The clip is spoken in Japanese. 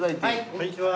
こんにちは。